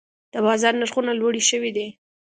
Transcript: د بازار نرخونه لوړې شوي دي.